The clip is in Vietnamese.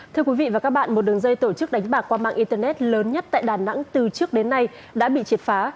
thưa quý vị và các bạn một đường dây tổ chức đánh bạc qua mạng internet lớn nhất tại đà nẵng từ trước đến nay đã bị triệt phá